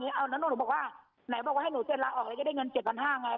เอาแล้วหนูบอกว่าไหนบอกว่าให้หนูเซ็นลาออกแล้วจะได้เงิน๗๕๐๐ไง